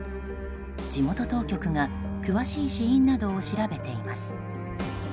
地元当局が詳しい死因などを調べています。